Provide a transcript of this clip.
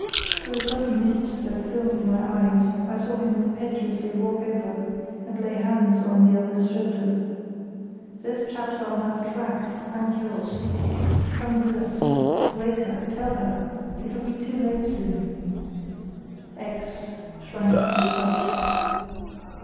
(Through a sudden mist that filmed my eyes I saw him impetuously walk over and lay his hand on the other's shoulder.) "Those chaps are on our track and yours. Come with us. Wake her, tell her. It'll be too late soon." X—— shrank from his touch.